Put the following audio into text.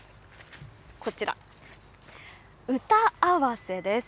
こちら、歌合わせです。